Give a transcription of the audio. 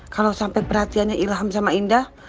kalo sampe perhatiannya ilham sama indah